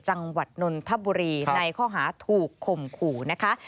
จังหวัดนนทบุรีในข้อหาถูกข่มขู่นะคะ